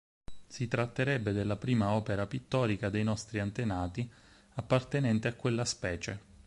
Si tratterebbe della prima opera pittorica dei nostri antenati appartenente a quella specie.